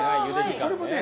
これもね